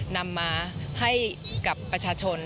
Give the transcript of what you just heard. นำมาให้กับประชาชน